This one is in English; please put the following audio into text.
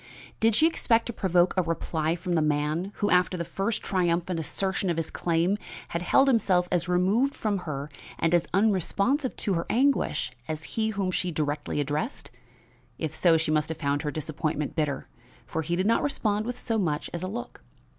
Did she expect to provoke a reply from the man who, after the first triumphant assertion of his claim, had held himself as removed from her and as unresponsive to her anguish as had he whom she directly addressed? If so, she must have found her disappointment bitter, for he did not respond with so much as a look.